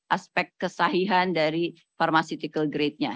aspek kesahihan dari pharmaceutical grade nya